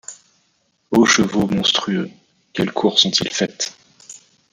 O chevaux monstrueux ! quelle course ont-ils faite